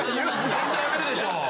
絶対辞めるでしょ。